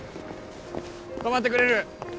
止まってくれる？